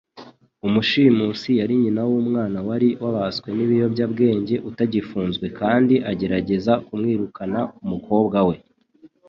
Umushimusi yari nyina w'umwana, wari wabaswe n'ibiyobyabwenge, utagifunzwe kandi agerageza kwirukana umukobwa we.